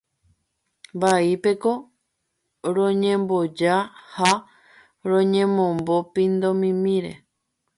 Vaípeko roñemboja ha roñemombo pindomimíre.